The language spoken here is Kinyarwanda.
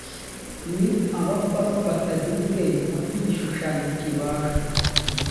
ni abapfapfa batagira ubwenge b igishushanyo kibajwe